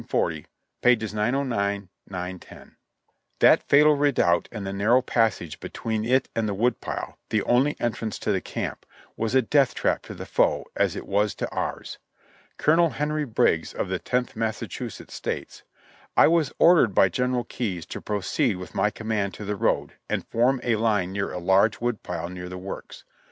40, p. 909 910.) That fatal redoubt and the narrow passage between it and the wood pile, the only entrance to the camp, was a death trap to the foe, as it was to ours. Colonel Henry Briggs. of the Tenth Massachusetts, states : "I was ordered by General Keyes to pro ceed with my command to the road, and form a line near a large wood pile near the works.